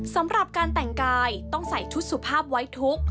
สำหรับการแต่งกายต้องใส่ชุดสุภาพไว้ทุกข์